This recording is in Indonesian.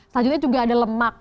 selanjutnya juga ada lemak